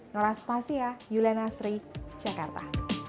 noras pasia yuliana sri jakarta